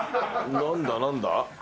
なんだ、なんだ？